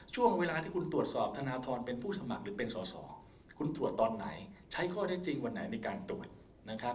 ช่วงเวลาที่คุณตรวจสอบธนทรเป็นผู้สมัครหรือเป็นสอสอคุณตรวจตอนไหนใช้ข้อได้จริงวันไหนในการตรวจนะครับ